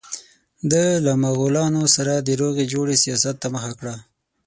ده له مغولانو سره د روغې جوړې سیاست ته مخه کړه.